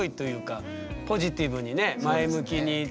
ポジティブにね前向きに。